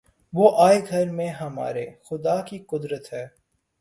وہ آئے گھر میں ہمارے‘ خدا کی قدرت ہے!